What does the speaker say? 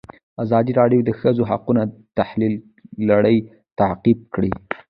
ازادي راډیو د د ښځو حقونه د تحول لړۍ تعقیب کړې.